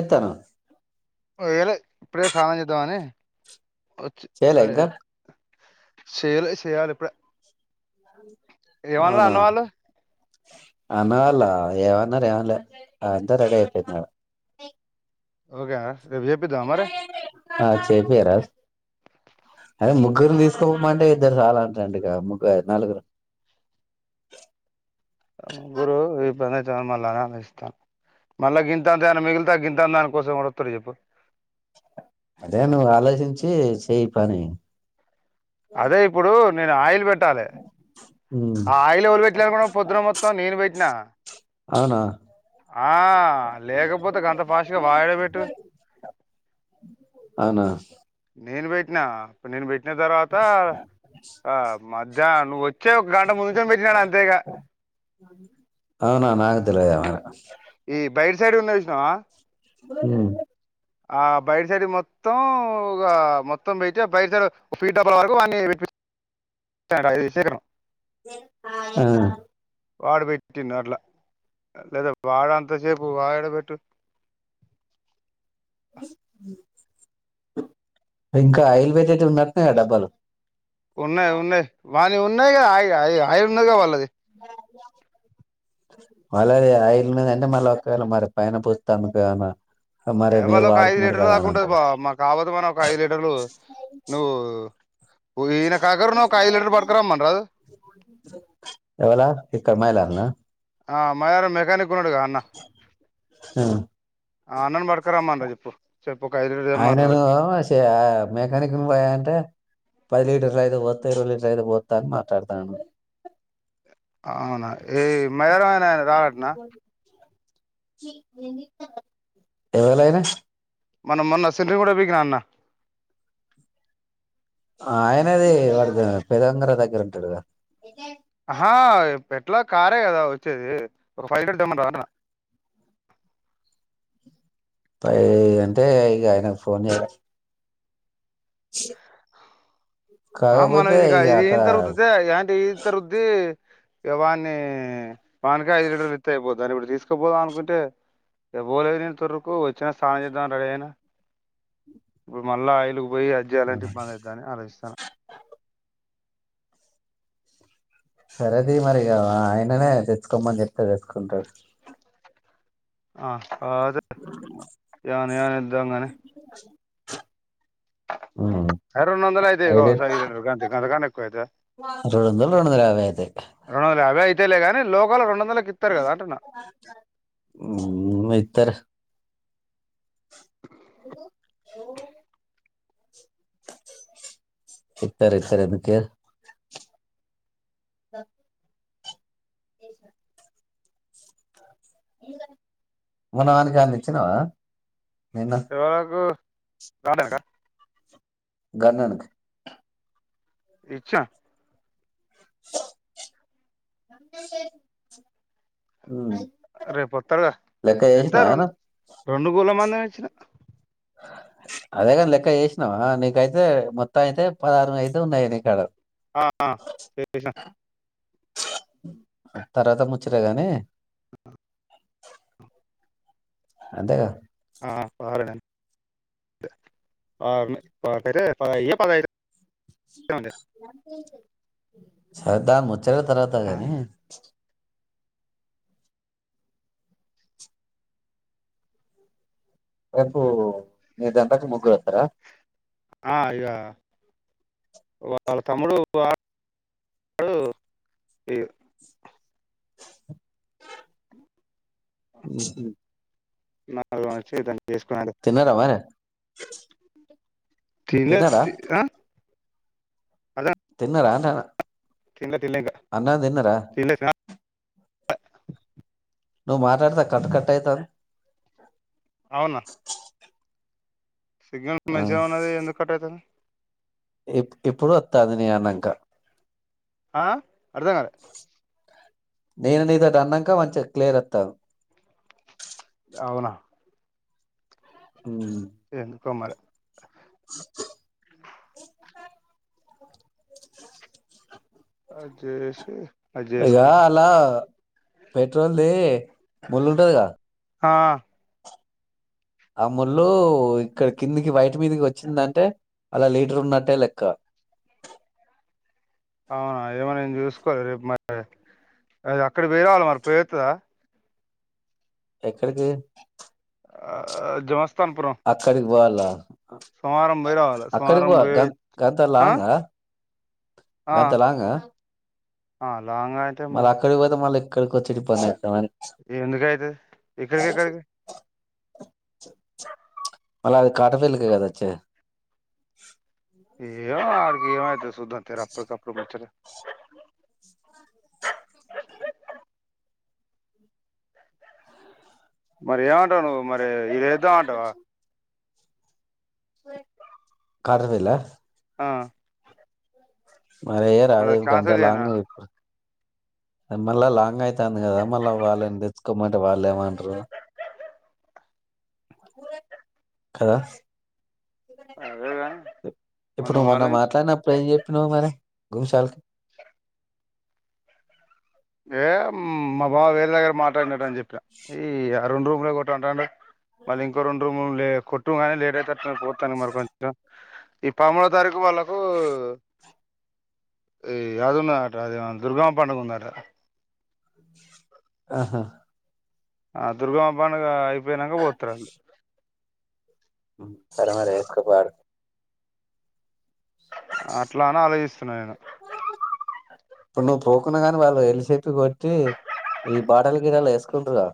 ఎత్తను ఓ ఎలే ఇప్పుడే సానం చేద్దామని వచ్చి చేయలే రెడీ ఇంకా అయినక్ శేయాలె శేయాళి ఇప్పుడే ఏమన్నారు అవునా అన్న వాళ్ళు అన్నవాళ్ళ ఏమన్నర్ ఏం లే అంతా రెడీ అయిపోయింది ఆడా. ఉ గా ఆ చేపియా రాద్ అదే ముగ్గురు తీ పో మంటే ఇద్దరు రాల రెండు గా ముగ్గురు నలుగురు ముగ్గురు ఈ పనై మళ్ళా అని ఇస్తాను మళ్ళా గింత అంతన మిగిలితే గింత దాని కోసం ఎవరు వస్తారు చెప్పు అదే నువ్వు ఆలోచించి చేయి పని అదే ఇప్పుడు నేను ఆయిల్ పెట్ టాలి ఉమ్ ఆ ఆయిలు ఎవరు పెట్టిరనుకున్నా పొద్దున మొత్తం నేను పెట్టినా అవునా ఆ లేకపోతే గంత ఫాస్ట్గా వాడేల పెట్టు అవునా నేను పెట్ నేను పెట్ న తర్వాత ఆ మరి ధ్యా నువ్ త్ చ్చే ఒక గంట ముందు నిల్చోపెట్టడంతే ఇగ అవునా నాకు తెలవదే మరి ఈ బయట్ సైడ్ ఉన్నది చూసినవా ఉమ్ ఆ బయట సైడ్ది మొత్తం ఒక మొత్తం పెట్తే బయట సైడ్ ఒక ఫీట్ డబ్బల వరకు వాన్ని [unintelligible] ఆ వాడు పెట్టిడు అట్లా లేదా వాడంతసేపు వాడు ఏడ పెట్టు ఇంకా అయిల్వేద అతే ఉన్నట్టున్నాయా డబ్బాలు ఉన్నాయి ఉన్నాయి వాని ఉన్నాయి గా ఆయ్ ఆయి ఇగ అయిన్న గా వాళ్ళది వాళ్ళది ఆయిల్ మీద అంటే మళ్ళ ఒకవేళ మరి పైన పోస్తే అమ్ముతే ఏమైనా ఆఏ వాళ్ళ ఒక ఐదు లీటర్ దాకా ఉంటది బావ, కాబోతే మన ఒక ఐదు లీటర్లు నువ్వు. ఈయన కాకరను ఒక ఐదు లీటర్ పట్టుకురమ్మని రాదు ఎవళ ఇ కమ్మాల్ ర్ యానా అ మాయారామ్ మెకానిక్ ఉన్నాడుగా అన్న హ్ ఆ అన్న న్ బడ్ క్క రమ్మన్ రా చెప్పు చెప్పు ఒక ఐదు లీటర్ తెమ్మనరాదు ఆయనను షే మెకానిక్ ను వోయా అంటే పది లీటర్లు అయితే పోత్త, ఇరవై లీటర్ అయితే పోత్త అని మాట్లాడుతాండు. అవునా ఈ మయర అనే ఆయన రాడటనా. ఎవలైన మనం మొన్న సెంట్రింగ్ ఊడబికినఅన్న ఆయనది వాడు పెదంగర దగ్గర ఉంటాడు గ అహా ఎ ఎట్లా కారే కదా వచ్చేది. ఒక ఫైవ్ తెమ్మంటావా ఫైవ్ అంటే ఇక ఆయనకు ఫోన్ చేయాల ఆ మనం కాకపోతే ఇదిగా ఇక ఇది అక్కడ ఇంత రుద్దుతే ఏంటే ఇంత రుద్ది ఇక వాన్ని వానికి ఐదు లీటర్లు ఇత్తే అయిపోది. దాన్ని ఇప్పుడు తీసుకుపోదాం అనుకుంటే ఇక పోలేదు నేను తొర్రూ కు వచ్చిన స్నానం చేద్దాను రెడీ అయినా. ఇప్పుడు మళ్ళా ఆయిలు పోయి అది ఆ, జేయాలంటే ఇబ్బందయిద్దని ఆలోచిస్తున్న సరే తీయ్ మరి ఇగా ఆయననే తెచ్చుకొమ్మని చెప్తే తెచ్చుకుంటడు ఆ అవదు [unintelligible] ఉమ్, అ రెండొందల యితే అయితే గావచ్చు గంత అంత కన్న ఎక్కువైతాయా రెండు వందలు రెండు వందల యాభై అయితే రెండొందల యాభై అంతేలే కానీ లోకల్ రెండువందల్ హ్మ్ ఇత్తరు ప్చ్ అదిగో ఓ ఇత్తరు ఇత్తరు ఎందుకియరు సబ్ ఏషినా వనానికని ఇచ్చినావా ఎవళకు రాడానికా గన్ననికి ఇచ్చా హ్మ్ రేపోత్తారుగా ఎంత రెండు రెండు కూళ్ళ మంది చ అదే కాని లెక్క చేసినా నీకైతే మొత్తం అయితే పదహారు అయితే ఉన్నాయి నీకాడ ఆహ [inaudible] తర్వాత ముచ్చగానీ అదేగా ఆ పాడి పా యేయ్యొ పదైదో ఉంది సదా చర తర్వాత ఆ గాని రేపు నిదంటకు ముగ్గురత్తర ఆ ఇగ వాళ్ళ తమ్ముడు వా వాడు ఇగ ఉమ్ నారు వంచి దా తిన్నరా మరే [inaudible] తిన్లే తి ఆ అదే తిన్నరా అంటన్నా తిన్లే తిన్లే ఇంక తిన్లే తినా ఆ నువ్ మాట్లాడతే కట్ కట్ అయితాన్ది అవునా సిగ్నల్ మంచిగనే ఉన్నది ఎందుకు కట్ అయితంది ఇప్ ఇప్పుడు అత్తాంది నేన్ అన్నంక ఆ అర్ధం కాలే నేను నీతోటి అన్నంక మంచిగా క్లియర్ అత్తాంది అవునా ఉమ్ కుమరి [inaudible] [inaudible] అజ్జేషి ఇగా అల పెట్రోల్ది ముళ్ళుంటదిగా ఆ ఆ ముళ్ళు ఇక్కడ కిందికి వయటి మీదకి వచ్చిందంటే అలా లీటర్ ఉన్నట్టే లెక్క అవునా ఏమన్నా చూసుకోవాలి రేపు మరి అ అక్కడ పో రావాలి మరి పోరుతుందా ఎక్కడికి ఆఆ జమ అక్కడికి పోవల్ల సోమవారం పోయి రావాలి అక్కడికి సోమవారం పో పోయి గం వచ్చి- ఆ గంతలాంగా గంతలాంగా, ఆల్ లాంగ్ ఆ అంటే మరి ఇక్కడకి వచ్చి ఈడ పని జేల్ ఎందుకు అయితది ఇక్కడికి ఎక్కడికి అళ్ళ అది కాట పెలెక కదచ్చే ఏమో ఆడికి ఏమైతొ సూద్దాం తీర అప్పుడికప్పుడు ముచ్చట మరి ఏమంటావు నువ్వు మర్ లే ఏద్దాం అంటవా కాట్రవెల్లా ఆ మరి ఎయ్య రాదె అది ఇంక అంత క్యాన్సల్ చేయనా లాంగ్ ఇప్ప మళ్ళా లాంగ్ అయితాంది కదా మళ్ళీ వాళ్ళని తెచ్చుకోమంటే వాళ్ళు ఏమంటరు కదా అదే గాని మరి ఇప్పుడు నువ్వు మనం ఆలోచించు మాట్లాడినప్పుడు ఏం చెప్పినవు మరి గుంశాలకి ఏ మా బావ వేరే దగర మాట్లాడిన రని చెప్ప ఈ య ఆ రెండు రూమ్లే కొట్టు అంటాండు మళ్ళీ ఇంకో రెండు రూమ్లు లే కొట్టు గానీ లేట్ అయితే [inaudible] తను మరికొంచెం ఈ పదమూడో తారీఖు వాళ్ళకు ఈ అదున్న అట అది దుర్గమ పండుగ ఉందట ఆహా ఆ దుర్గమ్మా పండగ అయి పొయినాక పోతారాళ్ళు ఉమ్ సరే మరి ఏక్కబార్ అట్లా అనే ఆలోచిస్తున్నా నేను ఇప్పుడు నువ్వు పోకున్నా గాని వాళ్ళు వెళ్లిసేప్ప కొట్టి ఈ బాటల గిటలు వేసుకుంట్రగా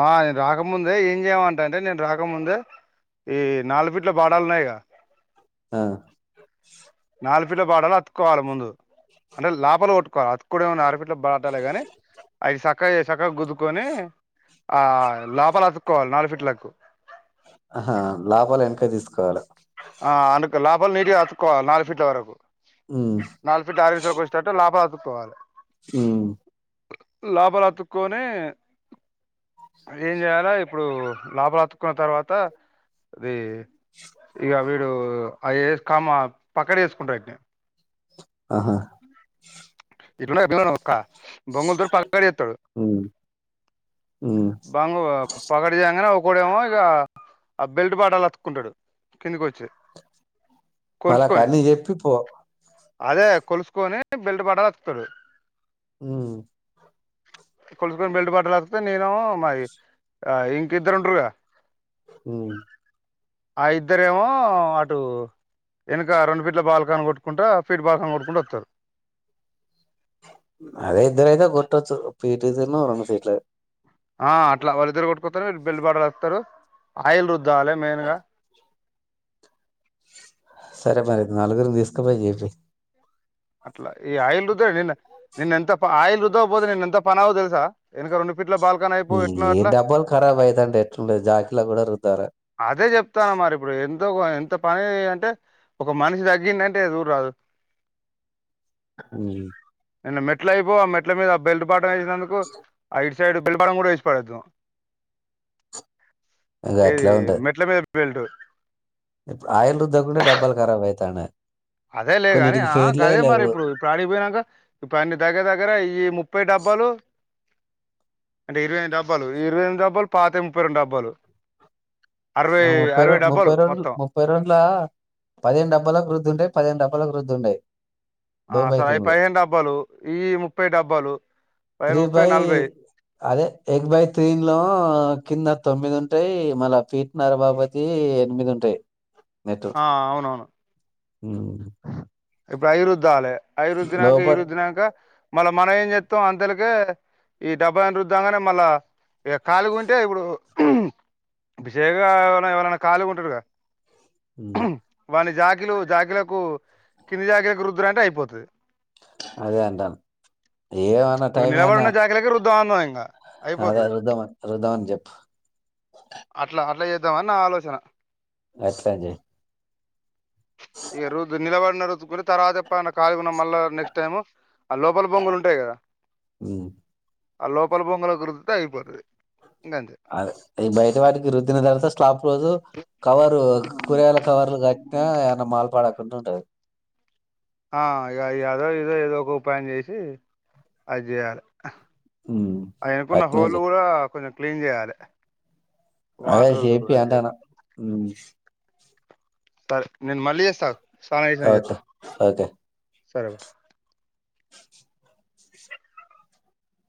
ఆ నేను రాకముందే ఏం చేయమంట అంటే నేను రాకముందే ఈ నాలుగు ఫీట్ల బాడాలు ఉన్నాయిగా ఆ నాలుపిల్ల బాడాలు అతుక్కోవాలి ముందు అంటే లోపల కొట్టుకోవాలి అతు ఇప్పుడు ఏమన్నా ఆరపిట్లు బటాలేగాని అయి స చక్క ఏ చక్క గుద్దుకొని ఆ లోపల అతుక్కోవాలి నాలుగు ఫీట్ లకు ఆహ లోపల వెనక తీసుకోవాలి ఆ అను లోపల నీట్ గా అత్తుకోవాలి నాలుగు ఫీట్ల వరకు ఉమ్ నాలుగు ఫీట్ల ఆరు ఇంచులకు వచ్చెటట్టు లపతు కోవాలి మ్మ్ లోపల అత్తుకోని ఏం చేయాల ఇప్పుడు లోపల అత్తుకున్న తర్వాత అది ఇగ వీడు ఆ కామ పక్కడ వేసుకుంటడు ఈట్నీ ఆహా యీట్లనే ఎట్లున్నాడొక్కా [unintelligible] బాగుళ్లతోటి పాలక్బాడ్చెత్తదు ఉమ్ ఉమ్ ఇంకోడేమో ఇగ ఆ బెల్ట్ పట్టాలు అతుకుంటడు కిందికి వచ్చి కొలుసుకొని అలాకన్నీ చెప్పి పో అదే కొలుసుకొని బెల్ట్ పట్టాలు అతుకుతడు హ్మ్ కొలుసుకొని బెల్ట్ పట్టాలు అతికితే నేనో మాది గ ఇంక ఇద్దరు ఉంటరు గా హ్మ్ ఆ ఇ ద్దరేమో అటు వెనక రెండు ఫీట్ల బాల్కాని కొట్టుకుంట ఫీట్ బాల్కాని కొట్టుకుంట వత్తరు అదే ఇద్దరైతే కొట్టొచ్చు ఫీటిదీను రెండు ఫీట్లది ఆ అట్ల వాళ్ళిద్దరు కొట్టుకొత్తరు వీళ్ళు బెల్ట్ పట్టలు అతుకుతరు ఆయిల్ రుద్దు లే మెయిన్గా సరే మరి నలుగురిని తీసుకుపోయి చేపియి అట్ల ఈ ఆయిల్ రుద్దె నిన్న నిన్న ఎంత ఆయిల్ రుద్దుక పోతె నిన్న ఎంత పనవు తె ల్సా ఎనక రెండు ఫీట్ల బాల్కాన్ అయిపో ఎట్నో ఏందీ అట్లా డబ్బలు ఖరాబ్ అయితంటే ఎట్లుంటది జాకిల కూడ రుద్దాలే అదే చెప్తాన మరి ఇప్పుడు ఎంతో ఎంత పని అంటే ఒక మనిషి తగ్గిండు అంటే ఇగ చూడ్రాదు హ్మ్ నిన్న మెట్లు అయిపోవు ఆ మెట్ల మీద బెల్ట్ వేసినందుకు ఆ ఇ సైడు బెల్ట్ బాటం కూడ వేసి పడేద్దుము అది అట్లే వుంటది బె బెల్ట్ ఇప్పుడు ఆయిల్ రుద్దకుంటే డబ్బాలు ఖరాబ్ అయితాండే అదే లే గాని ఆ గదే మరి ఇప్పుడు ఇప్పుడు అడికి పోయినాంక ఇప్పుడు అన్ని దగ్గర దగ్గర ఇయ్యి ముప్పై డబ్బలు అంటే ఇరవై ఎనిమిది డబ్బలు ఇరవై ఎనిమిది డబ్బలు పాతయి ముప్పై రెండు డబ్బలు ఆ ముప్పై రొండు ముప్పై రొండు ముప్పై రొండ్లా పదిహేను డబ్బలకు రుద్దింటే పదిహేను డబ్బల రుద్దుండయి ఆ దో బై సరే అవి తీన్లు పదిహేను డబ్బాలు ఈ ముప్పై డబ్బాలు పదిహేను త్రీ ముప్పై బై నలభై అదే ఎక్ బై త్రీన్లో కింద తొమ్మిది ఉంటు టే మల్ల ఫీ నరబాబతి ఎనిమిదుంటాయ్ ఆ అవునవును హ్మ్ ఇప్పుడు అయిరుద్దాలె అయిరుద్దినాక లోపట్ ఇయిరుద్దినాక మళ్ళా మనం ఏం చెత్తమ్ అంతలకే ఈ డబ్బాని రుద్దాంగానే మళ్ళా కాలీగుంటే ఇప్పుడు విశేక ఎవరైన ఎవరైన ఖాళీగా ఉంటరుగా ఉమ్ వాని జాకిలు జాకిల కు కింది జాకేకు రుదుర అంటే అయిపోతది అదే అంటన ఏమన్నా టైమేనా దాన ఇంగ అదే అయిపోతది రుద్దమను రుద్దమని చెప్పు దామని నా ఆలోచన దస్సాం జెయ్ ఇగ రుద్ నిలబడినరు [inaudible] తర్వాత ఎప్పన ఖాలీగున్న మళ్ళా నెక్స్ట్ టైము ఆ లోపల బొంగులు ఉంటయి కదా ఉమ్, ఆ లోపల బొంగులకు రుద్దుతే అయిపోతది ఇంగంతే అద ఈ బయట వాటికి రుద్దిన తర్వాత స్లాబ్ రోజు కవరు కూరగాయల కవర్లు కట్టినా ఆ ఏ మాల్ పడక పంటుంటది ఆ ఇగ అదో ఇదో ఏదో ఒక ఉపాయం చేసి అది చేయాలె ఉమ్, అ ఎనకున్న అట్లనే హోలు చెయ్. కూడ కొంచెం క్లీన్ చేయాలె అదే హేపీ అంటనా స నేన్ మల్లిజెస్తా ఆ ఆకు అదే సరే ఉంట